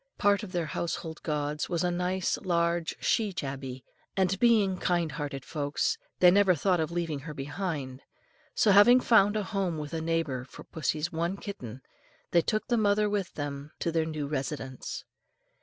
Part of their household gods was a nice large she tabby, and being kind hearted folks, they never thought of leaving her behind; so having found a home with a neighbour for pussy's one kitten, they took the mother with them to their new residence.